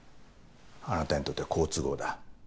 あなたにとっては好都合だ。